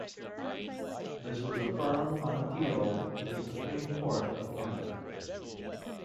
This was affirmed on appeal to the Supreme Court of Canada.